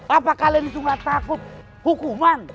apa kalian itu nggak takut hukuman